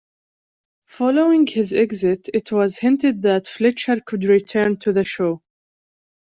Following his exit, it was hinted that Fletcher could return to the show.